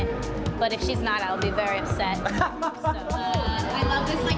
tapi kalau tidak saya akan sangat sedih